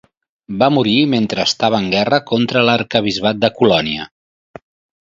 Va morir mentre estava en guerra contra l'arquebisbat de Colònia.